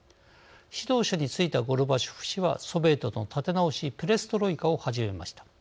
指導者に就いたゴルバチョフ氏はソビエトの立て直しペレストロイカを始めました。